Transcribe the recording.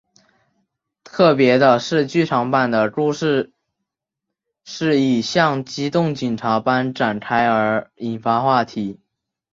特别的是剧场版的故事是以像机动警察般展开而引发话题。